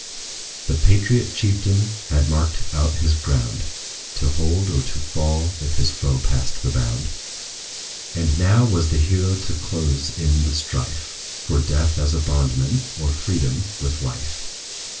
The patriot chieftain had marked out his ground, To hold, or to fall, if his foe passed the bound: And now was the hero to close in the strife, For death as a bondman, or freedom with life.